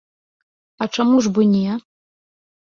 А чаму ж бы не?